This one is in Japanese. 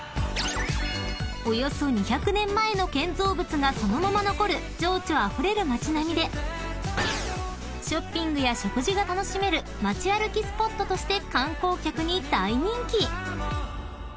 ［およそ２００年前の建造物がそのまま残る情緒あふれる街並みでショッピングや食事が楽しめる街歩きスポットとして観光客に大人気］